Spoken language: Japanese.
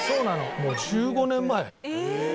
もう１５年前。